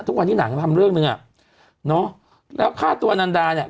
ทุกวันที่หนังทำเรื่องหนึ่งอ่ะเนอะแล้วค่าตัวนันดาเนี่ย